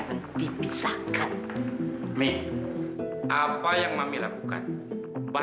terus ambunya kemana